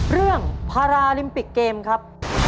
เรื่องพาราลิมปิกเกมครับ